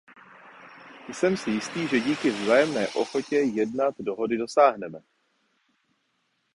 Jsem si jistý, že díky vzájemné ochotě jednat dohody dosáhneme.